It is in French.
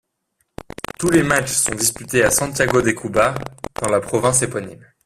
Tous les matchs sont disputés à Santiago de Cuba dans la province éponyme.